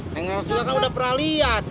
neng harusnya kan udah pernah liat